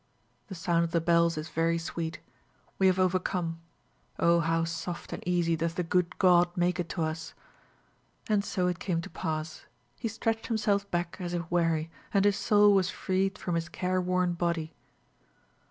The sound of the bells is very sweet. We have overcome. Oh, how soft and easy does the good God make it to us!" And so it came to pass. He stretched himself back as if weary, and his soul was freed from his care worn body.